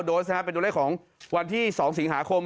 โดสนะครับเป็นตัวเลขของวันที่๒สิงหาคม